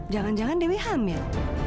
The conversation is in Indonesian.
jangan jangan dewi hamil